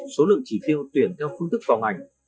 số lượng chỉ tiêu tuyển theo phương thức vào ngành